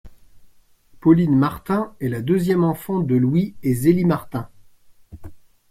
Pauline Martin est la deuxième enfant de Louis et Zélie Martin.